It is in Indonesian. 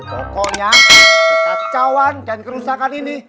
pokoknya kekacauan dan kerusakan ini